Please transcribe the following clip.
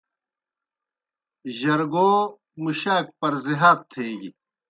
جرگو مُشاک پَرزِہات تھیگیْ۔